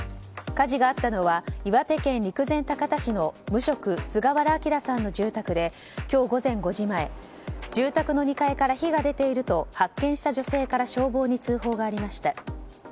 火事があったのは岩手県陸前高田市の無職、菅原啓さんの住宅で今日午前５時前住宅の２階から火が出ていると発見した女性から消防に通報がありました。